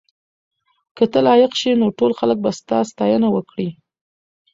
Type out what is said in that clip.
که ته لایق شې نو ټول خلک به ستا ستاینه وکړي.